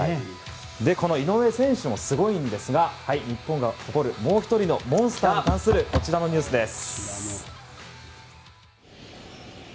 この井上選手もすごいんですが日本が誇るもう１人のモンスターに関するこちらのニュースです。